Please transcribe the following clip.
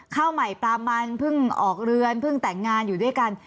เข้าใหม่ประมาณพึ่งออกเรือนพึ่งแต่งงานอยู่ด้วยกัน